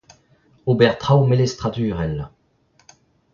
ober traoù melestradurel